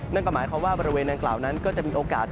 นั่นก็หมายความว่าบริเวณดังกล่าวนั้นก็จะมีโอกาส